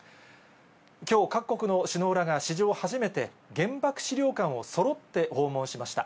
きょう各国の首脳らが史上初めて、原爆資料館をそろって訪問しました。